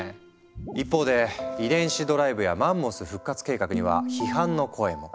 一方で遺伝子ドライブやマンモス復活計画には批判の声も。